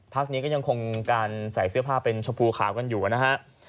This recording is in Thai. พักนี้ก็ยังคงการใส่เสื้อผ้าเป็นชมพูขาวกันอยู่นะฮะ